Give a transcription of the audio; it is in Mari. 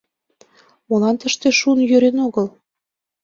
Молан тыште шун йӧрен огыл?